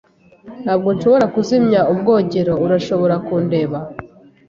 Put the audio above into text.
Ntabwo nshobora kuzimya ubwogero. Urashobora kundeba?